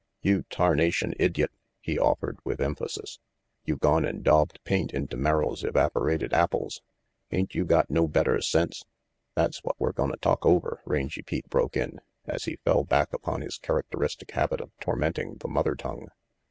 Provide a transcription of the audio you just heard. "You tarnation idyot," he offered with emphasis. "You gone and daubed paint into Merrill's evaporated apples. Ain't you got no better sense " "That's what we gonna talk over," Rangy Pete broke in, as he fell back upon his characteristic ha)bit of tormenting the mother tongue.